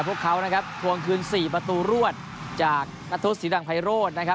พวกเขานะครับทวงคืน๔ประตูรวดจากนัทธุศรีดังไพโรธนะครับ